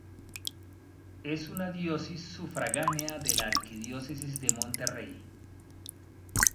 Es una diócesis sufragánea de la Arquidiócesis de Monterrey.